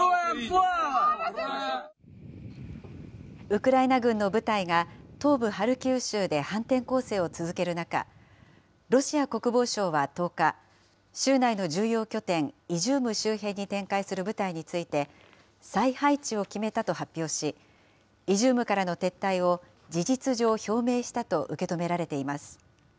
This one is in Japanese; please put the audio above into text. ウクライナ軍の部隊が東部ハルキウ州で反転攻勢を続ける中、ロシア国防省は１０日、州内の重要拠点、イジューム周辺に展開する部隊について、再配置を決めたと発表し、イジュームからの撤退を事実上、表明したと受け止められています。